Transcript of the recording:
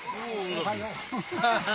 おはよう。